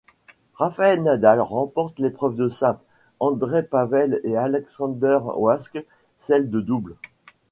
Rafael Nadal remporte l'épreuve de simple, Andrei Pavel et Alexander Waske celle de double.